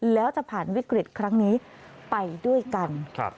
แล้วจะผ่านวิกฤตครั้งนี้ไปด้วยกัน